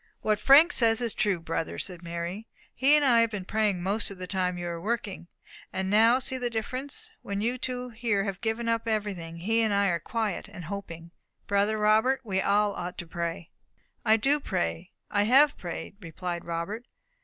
"What Frank says is true, brother," said Mary. "He and I have been praying most of the time that you were working. And now see the difference! when you two have given up everything, he and I are quiet and hoping. Brother Robert, we all ought to pray." "I do pray I have prayed," replied Robert.